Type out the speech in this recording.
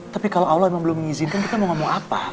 tapi kalau allah memang belum mengizinkan kita mau ngomong apa